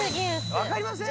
分かりません？